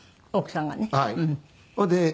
奥さんがね。